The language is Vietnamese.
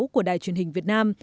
của đài truyền hình việt nam